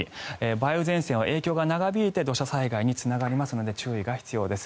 梅雨前線は影響が長引いて土砂災害につながりますので注意が必要です。